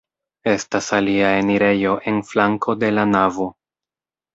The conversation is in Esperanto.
Estas alia enirejo en flanko de la navo.